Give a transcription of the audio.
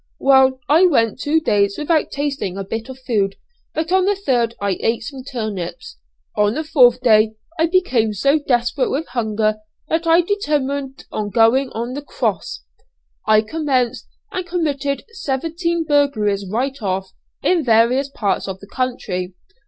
Well, I went two days without tasting a bit of food; but on the third I ate some turnips. On the fourth day I became so desperate with hunger that I determined on going on the 'cross.' I commenced, and committed seventeen burglaries right off, in various parts of the country.